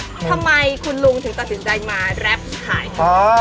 ทำไมคุณลุงถึงตัดสินใจมาแรปหายทอง